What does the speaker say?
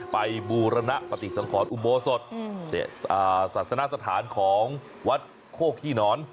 ไปบูรณะปฏิสังขอนอุโมสศศาสนาสถานของวัดโค่คี่นอน